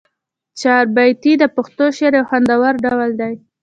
چهاربیتې د پښتو شعر یو خوندور ډول دی.